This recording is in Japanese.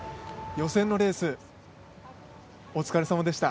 予選のレースお疲れさまでした。